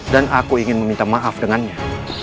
dan aku ingin meminta maaf dengannya